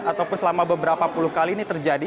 ataupun selama beberapa puluh kali ini terjadi